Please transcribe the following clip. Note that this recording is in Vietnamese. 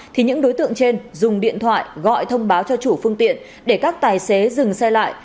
thì những đối tượng trên dùng điện thoại gọi thông báo cho chủ phương tiện để các tài xế dừng xe lại